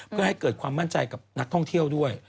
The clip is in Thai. เพื่อให้เกิดความมั่นใจกับนักท่องเที่ยวด้วย